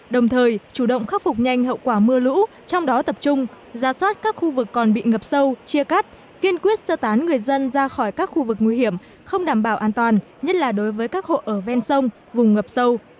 đồng thời chủ động khắc phục nhanh hậu quả mưa lũ trong đó tập trung ra soát các khu vực còn bị ngập sâu chia cắt kiên quyết sơ tán người dân ra khỏi các khu vực nguy hiểm không đảm bảo an toàn nhất là đối với các hộ ở ven sông vùng ngập sâu